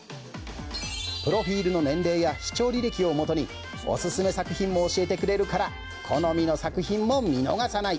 プロフィールの年齢や視聴履歴をもとにオススメ作品も教えてくれるから好みの作品も見逃さない